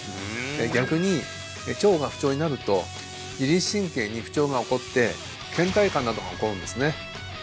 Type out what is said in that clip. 逆に腸が不調になると自律神経に不調が起こって倦怠感などが起こるんですね